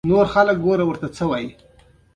افغانستان په نورستان غني دی.